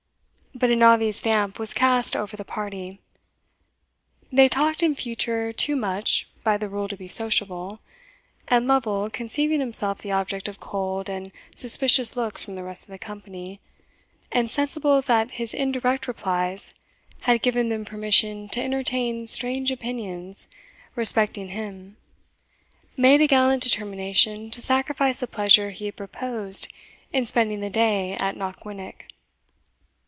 But an obvious damp was cast over the party; they talked in future too much by the rule to be sociable, and Lovel, conceiving himself the object of cold and suspicious looks from the rest of the company, and sensible that his indirect replies had given them permission to entertain strange opinions respecting him, made a gallant determination to sacrifice the pleasure he had proposed in spending the day at Knockwinnock.